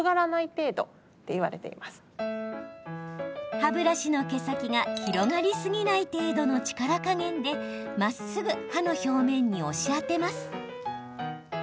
歯ブラシの毛先が広がりすぎない程度の力加減でまっすぐ歯の表面に押し当てます。